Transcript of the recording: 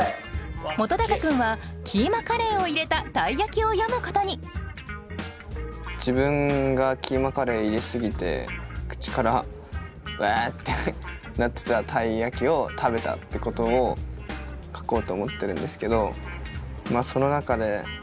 本君はキーマカレーを入れたたい焼きを詠むことに自分がキーマカレー入れすぎて口からうえってなってたたい焼きを食べたってことを書こうと思ってるんですけど。